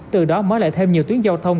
từ đó mới lại thêm nhiều tuyến giao thông